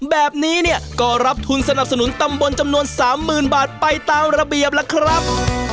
แบบนี้เนี่ยก็รับทุนสนับสนุนตำบลจำนวน๓๐๐๐บาทไปตามระเบียบล่ะครับ